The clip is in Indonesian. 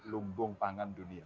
lumbung pangan dunia